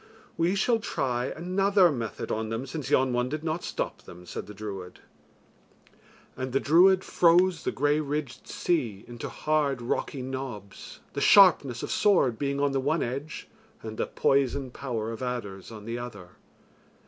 "We shall try another method on them, since yon one did not stop them," said the druid. And the druid froze the grey ridged sea into hard rocky knobs, the sharpness of sword being on the one edge and the poison power of adders on the other.